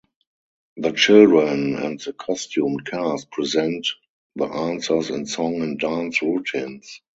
The children and the costumed cast present the answers in song and dance routines.